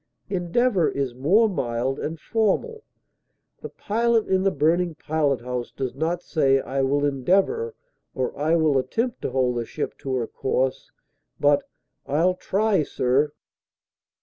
Endeavor is more mild and formal; the pilot in the burning pilot house does not say "I will endeavor" or "I will attempt to hold the ship to her course," but "I'll try, sir!"